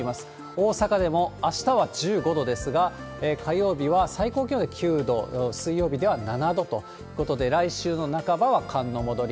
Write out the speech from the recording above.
大阪でもあしたは１５度ですが、火曜日は最高気温で９度、水曜日では７度ということで、来週の半ばは寒の戻り。